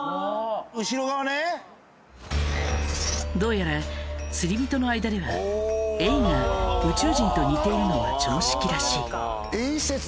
どうやら釣り人の間ではエイが宇宙人と似ているのは常識らしい。